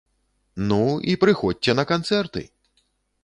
Ну, і прыходзьце на канцэрты!